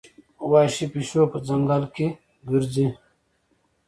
وحشي پیشو په ځنګل کې ګرځي.